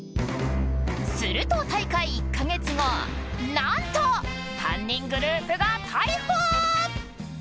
すると大会１か月後、なんと犯人グループが逮捕。